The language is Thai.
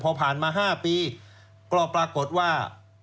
พอผ่านมา๕ปีก็ปรากฏว่า